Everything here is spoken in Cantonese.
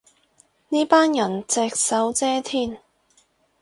呢班人隻手遮天